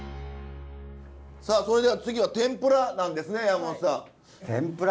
さあそれでは次は天ぷらなんですね山本さん。